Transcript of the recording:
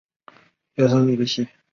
佐藤大是一位日本足球选手。